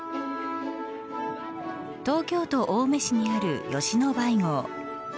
東京都青梅市にある吉野梅郷。